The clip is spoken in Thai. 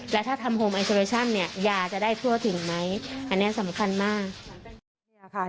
แล้วถ้าทำโฮมไอซอเรชั่นเนี่ยยาจะได้ทั่วถึงไหมอันนี้สำคัญมาก